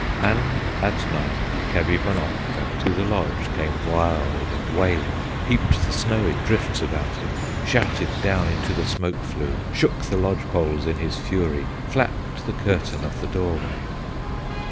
And at night Kabibonokka, To the lodge came wild and wailing, Heaped the snow in drifts about it, Shouted down into the smoke flue, Shook the lodge poles in his fury, Flapped the curtain of the door way.